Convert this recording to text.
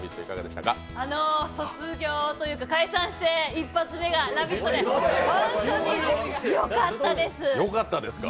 解散して一発目が「ラヴィット！」で本当によかったです。